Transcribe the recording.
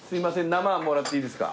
生もらっていいですか？